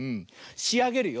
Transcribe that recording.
しあげるよ。